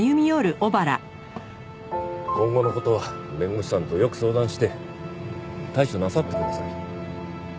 今後の事は弁護士さんとよく相談して対処なさってください。